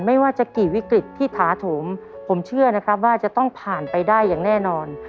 ไม่ว่าจะกี่วิกฤตที่ถาโถมผมเชื่อนะครับว่าจะต้องผ่านไปได้อย่างแน่นอน